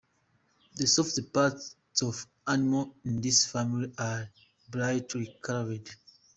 The soft parts of animals in this family are brightly colored.